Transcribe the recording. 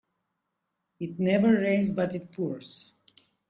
It never rains but it pours